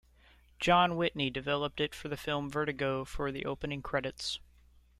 John Whitney developed it for the film Vertigo for the opening credits.